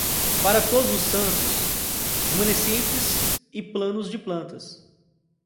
Para Todos os Santos, remanescentes e planos de plantas.